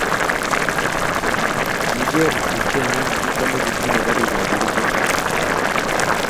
Kiker tupchenyu chito nekitinyei karik ab lugeet